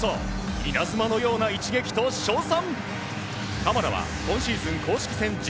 稲妻のような一撃と称賛。